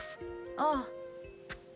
ああ。